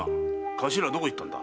頭はどこ行ったんだ？